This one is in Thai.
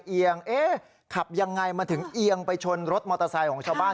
เอียงเอ๊ะขับยังไงมันถึงเอียงไปชนรถมอเตอร์ไซค์ของชาวบ้าน